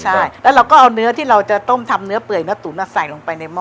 ใช่แล้วเราก็เอาเนื้อที่เราจะต้มทำเนื้อเปื่อยเนื้อตุ๋นใส่ลงไปในห้อ